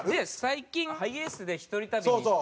最近ハイエースで一人旅に行って。